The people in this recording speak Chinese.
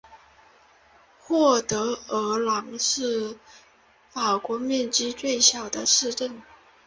沃德尔朗是法国面积最小的市镇。